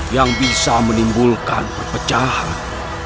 yang bisa menimbulkan perpecahan